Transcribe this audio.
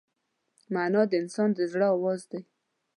مانا د انسان د زړه آواز دی.